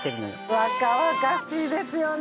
若々しいですよね。